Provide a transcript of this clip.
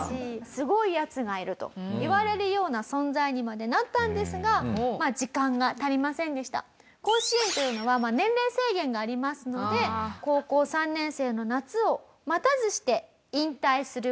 「すごいヤツがいる」と言われるような存在にまでなったんですが甲子園というのは年齢制限がありますので高校３年生の夏を待たずして引退する事になってしまいます。